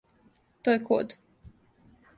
То је код.